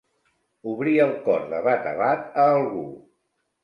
Obrir el cor de bat a bat a algú.